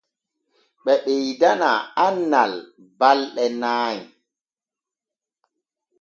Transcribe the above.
Ɓe ɓeydana annal ɓalɗe nay.